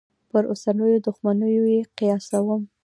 پر اوسنیو دوښمنیو یې قیاسوم.